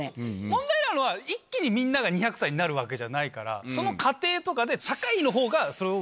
問題なのは一気にみんなが２００歳になるわけじゃないからその過程とかで。